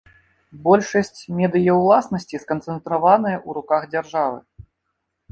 Большасць медыяўласнасці сканцэнтраваная ў руках дзяржавы.